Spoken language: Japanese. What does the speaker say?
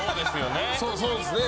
そうですよね。